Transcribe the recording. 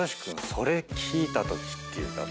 それ聞いたときっていうか。